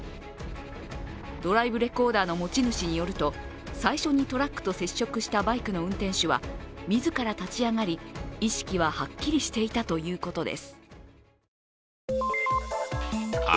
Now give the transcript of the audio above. ドライブレコーダーの持ち主によると、最初にトラックと接触したバイクの運転手は自ら立ち上がり意識ははっきりしていたということです。